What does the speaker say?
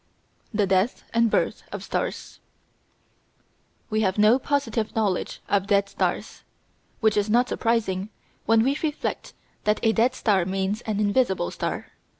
The Death and Birth of Stars We have no positive knowledge of dead stars; which is not surprising when we reflect that a dead star means an invisible star!